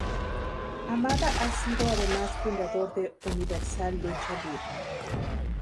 Hamada ha sido además fundador de Universal Lucha Libre.